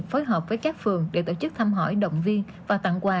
phối hợp với các phường để tổ chức thăm hỏi động viên và tặng quà